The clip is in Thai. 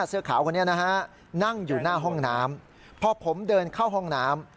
เสื้อขาวคนนี้นะฮะนั่งอยู่หน้าห้องน้ำพอผมเดินเข้าห้องน้ำ